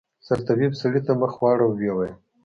سرطبيب سړي ته مخ واړاوه ويې ويل.